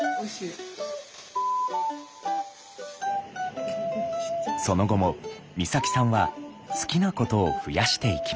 その後も光沙季さんは好きなことを増やしていきました。